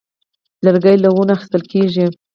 لرګی له ونو اخیستل کېږي.